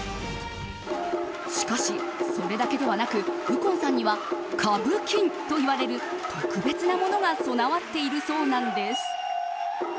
しかし、それだけではなく右近さんにはカブキンといわれる特別なものが備わっているそうなんです。